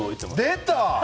出た！